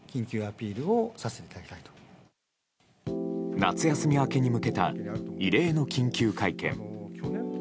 夏休み明けに向けた異例の緊急会見。